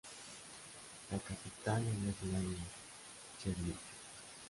La capital es la ciudad de Cherníhiv.